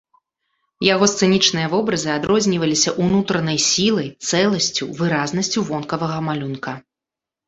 Яго сцэнічныя вобразы адрозніваліся ўнутранай сілай, цэласцю, выразнасцю вонкавага малюнка.